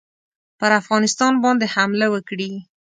پر افغانستان باندي حمله وکړي.